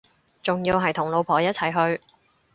仲要係同老婆一齊去